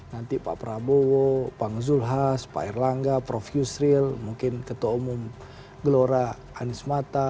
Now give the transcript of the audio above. nanti pak prabowo pak nuzul has pak irlangga prof yusril mungkin ketua umum gelora aniesmata